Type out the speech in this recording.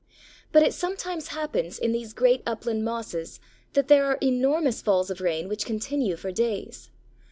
But it sometimes happens in these great upland mosses that there are enormous falls of rain which continue for days.